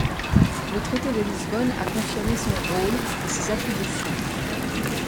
Le Traité de Lisbonne a confirmé son rôle et ses attributions.